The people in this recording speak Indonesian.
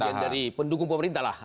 bagian dari pendukung pemerintah lah